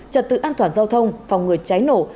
trả tự an toàn giao thông phòng người cháy nổ